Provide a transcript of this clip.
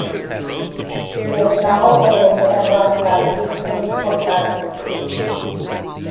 It is now owned and run by the Hastings Hotels Group.